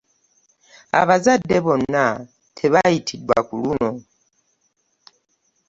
Abazadde bonna tebaayitiddwa ku luno.